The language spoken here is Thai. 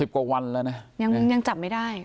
๑๐กว่าวันละนะอย่างจับไม่ได้